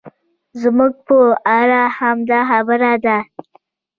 زموږ په اړه هم همدا خبره ده.